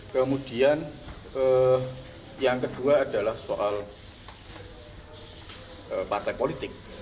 kemudian yang kedua adalah soal partai politik